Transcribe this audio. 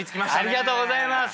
ありがとうございます！